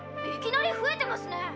いきなり増えてますね。